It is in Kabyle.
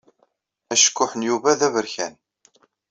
Acekkuḥ n Yuba d aberkan.